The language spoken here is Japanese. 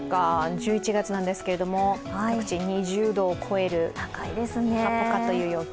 １１月なんですけど、各地２０度を超えるポカポカ陽気。